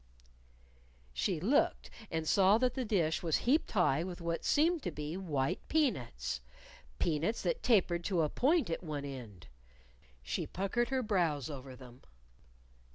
She looked, and saw that the dish was heaped high with what seemed to be white peanuts peanuts that tapered to a point at one end. She puckered her brows over them.